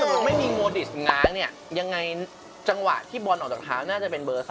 จริงโมดิชยังง้างเนี่ยจังหวะที่บอลออกจากเท้าน่าจะเป็นเบอร์๓